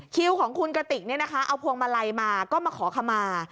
คิ้วของคุณกะติกเนี่ยนะคะเอาพวงมะไรมาก็มาขอคำมา